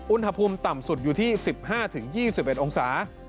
อุณหภูมิต่ำสุดอยู่ที่๑๕๒๑องศา